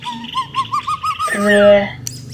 布巴内什瓦尔是印度奥里萨邦首府。